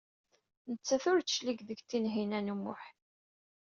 Nettat ur d-teclig seg Tinhinan u Muḥ.